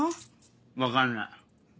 分かんない。